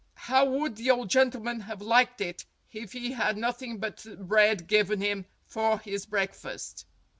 How would the old gentleman have liked it if he had nothing but bread given him for his breakfast?